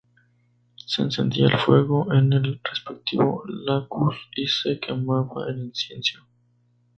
Se encendía el fuego en el respectivo "lacus" y se quemaba el incienso.